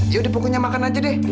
ya udah pokoknya makan aja deh